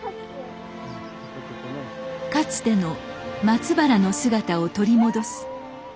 かつての松原の姿を取り戻す。